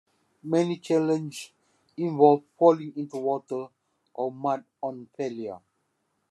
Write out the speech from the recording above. Many challenges involve falling into water or mud on failure.